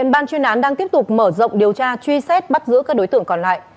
ban chuyên án đang tiếp tục mở rộng điều tra truy xét bắt giữ các đối tượng còn lại